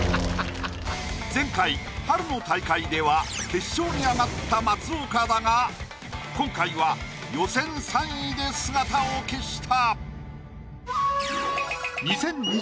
前回春の大会では決勝に上がった松岡だが今回は予選３位で姿を消した。